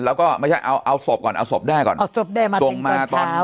แล้วก็ไม่ใช่เอาเอาสบก่อนเอาสบได้ก่อนเอาสบได้มาตอนเช้า